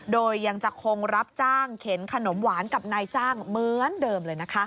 โดยยังจะคงรับจ้างเข็นขนมหวานกับนายจ้างเหมือนเดิมเลยนะคะ